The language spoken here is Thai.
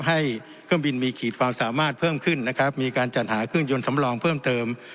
ให้เครื่องบินมีขีดความสามารถเพิ่มขึ้นนะครับมีการจัดหาเครื่องยนต์สำรองเพิ่มเติม